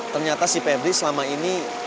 ternyata si pedri selama ini